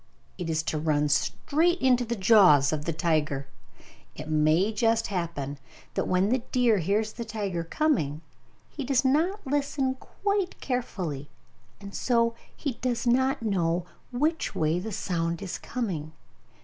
It is to run straight into the jaws of the tiger! It may just happen that when the deer hears the tiger coming, he does not listen quite carefully, and so he does not know which way the sound is coming.